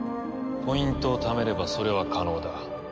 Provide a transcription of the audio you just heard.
ポイントをためればそれは可能だ。